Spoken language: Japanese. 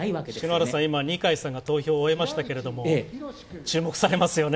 篠原さん、二階さんが投票を終えましたけれども注目されますよね。